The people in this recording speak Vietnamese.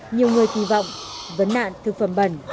nhiều người kỳ vọng vấn nạn thực phẩm bẩn